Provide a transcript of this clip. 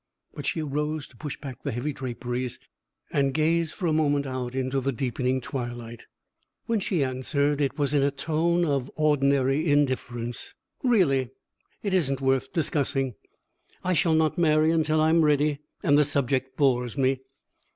But she arose to push back the heavy draperies and gaze for a moment out into the deepening twilight. When she answered, it was in a tone of ordinary indifference. "Really it isn't worth discussing. I shall not marry until I am ready, and the subject bores me."